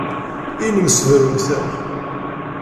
I nemsebrut?